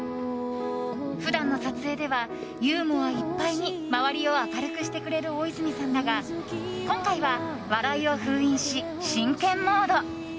普段の撮影ではユーモアいっぱいに周りを明るくしてくれる大泉さんだが今回は笑いを封印し、真剣モード。